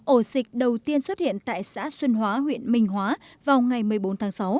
ổ dịch đầu tiên xuất hiện tại xã xuân hóa huyện minh hóa vào ngày một mươi bốn tháng sáu